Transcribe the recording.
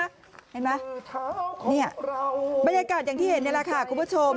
เห็นไหมเนี่ยบรรยากาศอย่างที่เห็นนี่แหละค่ะคุณผู้ชม